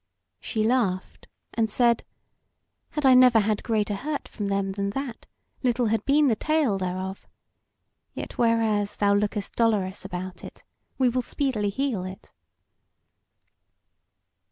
She laughed, and said: "Had I never had greater hurt from them than that, little had been the tale thereof: yet whereas thou lookest dolorous about it, we will speedily heal it."